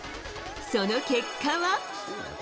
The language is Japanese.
その結果は。